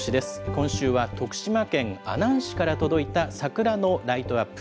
今週は、徳島県阿南市から届いた桜のライトアップ。